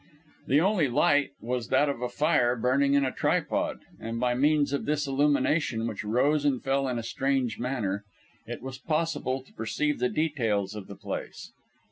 The only light was that of a fire burning in a tripod, and by means of this illumination, which rose and fell in a strange manner, it was possible to perceive the details of the place.